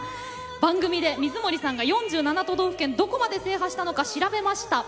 番組で水森さんが４７都道府県どこまで制覇したのか調べました。